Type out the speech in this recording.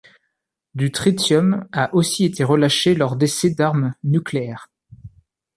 Du tritium a aussi été relâché lors d'essais d'armes nucléaires.